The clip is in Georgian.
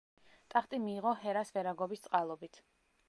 ტახტი მიიღო ჰერას ვერაგობის წყალობით.